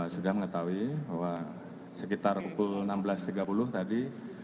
sudah mengetahui bahwa sekitar pukul enam belas tiga puluh tadi